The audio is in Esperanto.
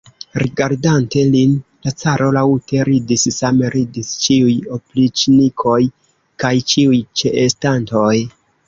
Rigardante lin, la caro laŭte ridis, same ridis ĉiuj opriĉnikoj kaj ĉiuj ĉeestantoj.